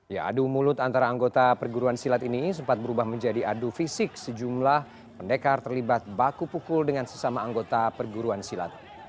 ya adu mulut antara anggota perguruan silat ini sempat berubah menjadi adu fisik sejumlah pendekar terlibat baku pukul dengan sesama anggota perguruan silat